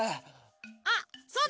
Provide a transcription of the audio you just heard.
あっそうだ！